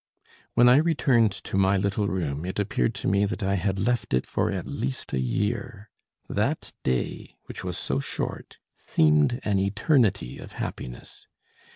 When I returned to my little room, it appeared to me that I had left it for at least a year. That day which was so short, seemed an eternity of happiness.